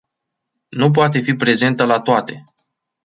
Nu poate fi prezentă la toate.